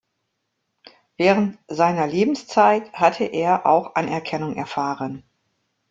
Während seiner Lebenszeit hatte er auch Anerkennung erfahren.